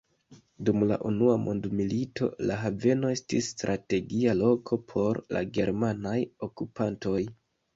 Dum la Unua Mondmilito la haveno estis strategia loko por la germanaj okupantoj.